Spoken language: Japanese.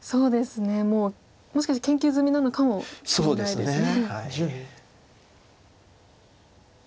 もうもしかして研究済みなのかもしれないですね。